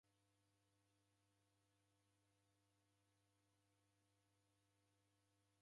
W'andu w'amu w'abaha w'eka na maghesho sa w'ana